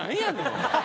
お前。